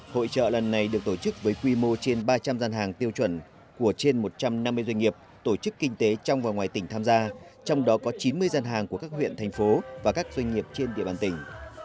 hội trợ lần này được tổ chức với quy mô trên ba trăm linh gian hàng tiêu chuẩn của trên một trăm năm mươi doanh nghiệp tổ chức kinh tế trong và ngoài tỉnh tham gia trong đó có chín mươi gian hàng của các huyện thành phố và các doanh nghiệp trên địa bàn tỉnh